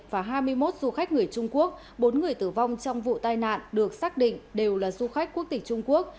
và hai mươi một du khách người trung quốc bốn người tử vong trong vụ tai nạn được xác định đều là du khách quốc tịch trung quốc